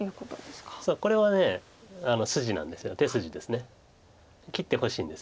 これは筋なんです手筋です。